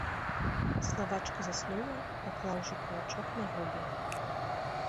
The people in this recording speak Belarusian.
Славачка заснула, паклаўшы кулачок на губы.